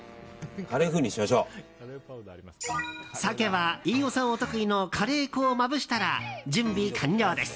鮭は飯尾さんお得意のカレー粉をまぶしたら準備完了です。